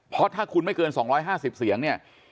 เพราะถ้าคุณไม่เกิน๒๕๐เสียงเนี่ย